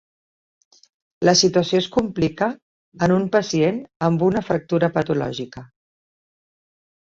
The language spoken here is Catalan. La situació es complica en un pacient amb una fractura patològica.